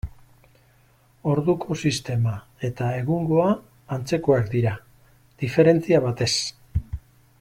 Orduko sistema eta egungoa antzekoak dira, diferentzia batez.